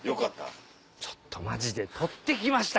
ちょっとマジで撮ってきましたから。